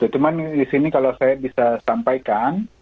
cuman disini kalau saya bisa sampaikan